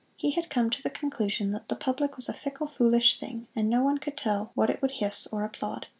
He had come to the conclusion that the public was a fickle, foolish thing, and no one could tell what it would hiss or applaud.